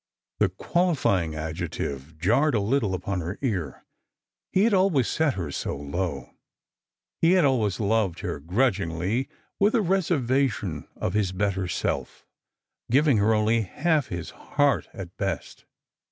The qualifying adjective jarred a little upon her ear. He had always set her so low; he had always loved her grudgingly, with a reservation of his better self, giving her only half his heart at best.